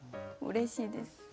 うれしいです。